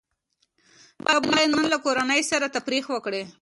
ته بايد نن له کورنۍ سره تفريح وکړې.